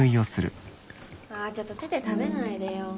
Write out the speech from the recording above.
あちょっと手で食べないでよ。